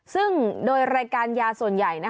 ซึ่งโดยรายการยาส่วนใหญ่